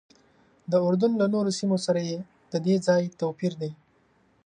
د اردن له نورو سیمو سره ددې ځای توپیر دی.